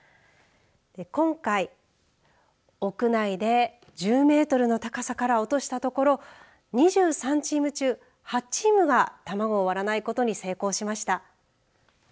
今回、屋内で１０メートルの高さから落としたところ２３チーム中８チームが卵を割らないことに成功しました。